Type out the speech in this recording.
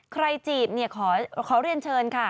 จีบเนี่ยขอเรียนเชิญค่ะ